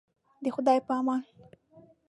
د خدای په امان.